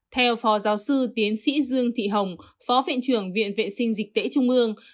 theo phó giáo sư tiến sĩ dương thị hồng phó viện trưởng viện vệ sinh dịch tễ trung ương